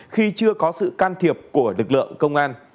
khi chưa có sự can thiệp của lực lượng công an